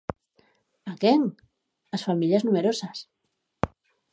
¿A quen? Ás familias numerosas.